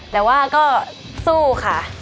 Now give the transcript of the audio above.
แต่ว่าก็สู้ค่ะ